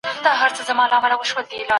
بشري ټولني پرمختګ ته اړتیا لري.